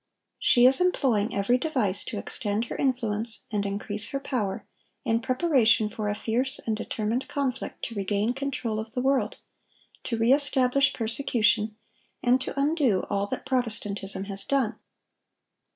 She is employing every device to extend her influence and increase her power in preparation for a fierce and determined conflict to regain control of the world, to re establish persecution, and to undo all that Protestantism has done.